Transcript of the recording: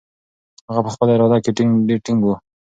هغه په خپله اراده کې ډېر ټینګ و.